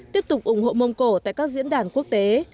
tiếp tục ủng hộ mông cổ tại các diễn đàn quốc tế